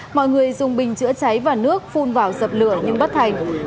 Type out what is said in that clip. mọi người dùng bình chữa cháy và nước phun vào dập lửa nhưng bất thành